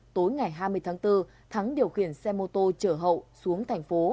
tối ngày hai mươi tháng bốn thắng điều khiển xe mô tô chở hậu xuống thành phố